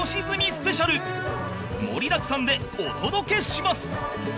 スペシャル盛りだくさんでお届けします